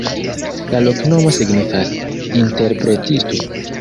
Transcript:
La loknomo signifas: interpretisto.